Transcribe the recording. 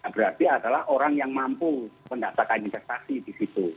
berarti adalah orang yang mampu mendaftarkan investasi di situ